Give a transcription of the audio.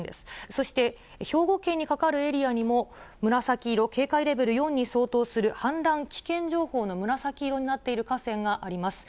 そして、兵庫県にかかるエリアにも紫色、警戒レベル４に相当する氾濫危険情報の紫色になっている河川があります。